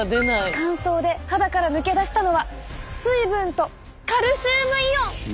乾燥で肌から抜け出したのは水分とカルシウムイオン！